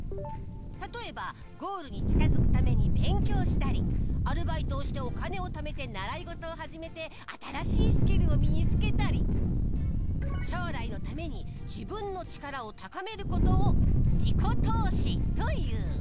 例えば、ゴールに近づくために勉強したり、アルバイトをしてお金をためて習い事を始めて、新しいスキルを身につけたり、将来のために自分の力を高めることを自己投資という。